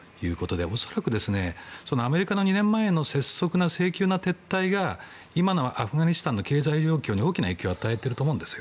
恐らく、アメリカの２年前の拙速な性急な撤退が今のアフガニスタンの経済状況に大きな影響を与えていると思うんです。